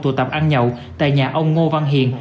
tụ tập ăn nhậu tại nhà ông ngô văn hiền